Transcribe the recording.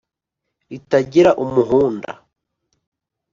ritagira umuhunda